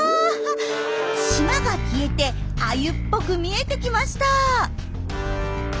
しまが消えてアユっぽく見えてきました。